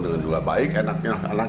dengan juga baik enak enak enak